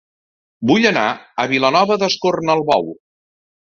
Vull anar a Vilanova d'Escornalbou